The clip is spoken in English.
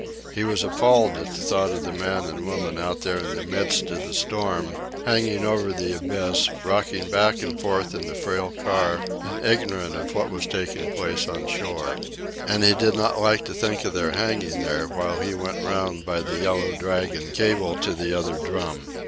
He was appalled at thought of the man and woman out there in the midst of the storm, hanging over the abyss, rocking back and forth in the frail car and ignorant of what was taking place on shore. And he did not like to think of their hanging there while he went round by the Yellow Dragon cable to the other drum.